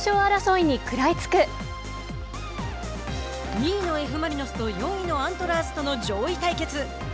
２位のＦ・マリノスと４位のアントラーズとの上位対決。